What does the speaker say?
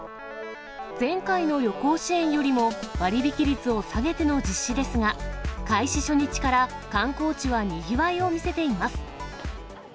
前回の旅行支援よりも、割引率を下げての実施ですが、開始初日から観光地はにぎわいを見せています。